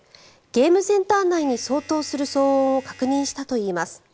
ゲームセンター内に相当する騒音を確認したといいます。